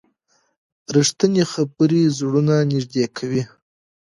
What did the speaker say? رښتیني خبرې زړونه نږدې کوي.